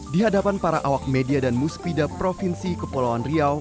di hadapan para awak media dan musbida provinsi kepulauan riau